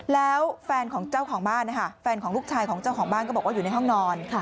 แล้วแฟนของลูกชายของเจ้าของบ้านก็บอกว่าอยู่ในห้องนอน